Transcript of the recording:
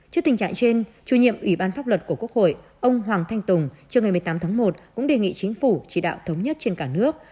trước tình trạng trên chủ nhiệm ủy ban pháp luật của quốc hội ông hoàng thanh tùng trưa ngày một mươi tám tháng một cũng đề nghị chính phủ chỉ đạo thống nhất trên cả nước